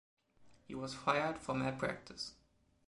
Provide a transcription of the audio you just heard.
He was fired for malpractice.